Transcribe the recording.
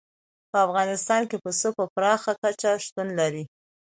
په افغانستان کې پسه په پراخه کچه شتون لري.